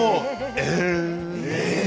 「え」。